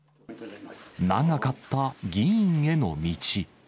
長かった議員への道。